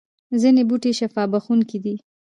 ځینې بوټي شفا بخښونکي دي